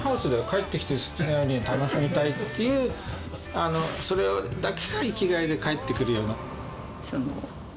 帰ってきて好きなように楽しみたいっていうそれだけが生きがいで帰ってくるような。